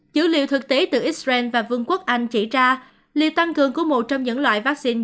dữ liệu thực tế từ israel và vương quốc anh chỉ ra liệu tăng cường của một trong những loại vaccine